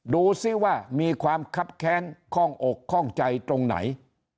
ดูสิว่ามีความคับแค้นข้องอกข้องใจตรงไหน